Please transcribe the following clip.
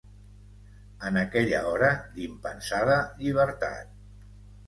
En aquella hora d'impensada llibertat.